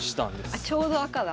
あちょうど赤だ。